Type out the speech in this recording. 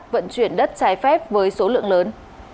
vận chuyển đất trái phép với số lượng lớn